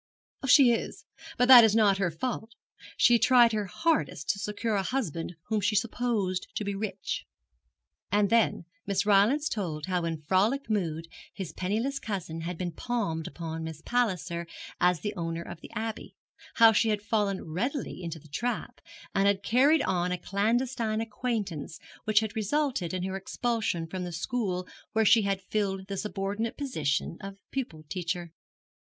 'She is; but that is not her fault. She tried her hardest to secure a husband whom she supposed to be rich.' And then Miss Rylance told how in frolic mood his penniless cousin had been palmed upon Miss Palliser as the owner of the Abbey; how she had fallen readily into the trap, and had carried on a clandestine acquaintance which had resulted in her expulsion from the school where she had filled the subordinate position of pupil teacher.